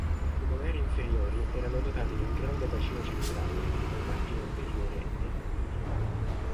I molari inferiori erano dotati di un grande bacino centrale, dal margine anteriore rettilineo.